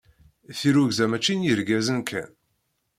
Tirrugza, mačči n yergazen kan.